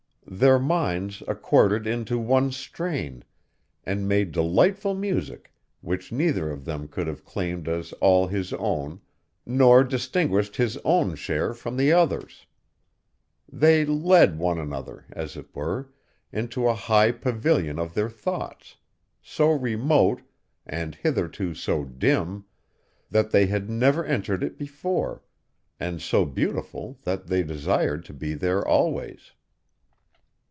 Their minds accorded into one strain, and made delightful music which neither of them could have claimed as all his own, nor distinguished his own share from the other's. They led one another, as it were, into a high pavilion of their thoughts, so remote, and hitherto so dim, that they had never entered it before, and so beautiful that they desired to be there always.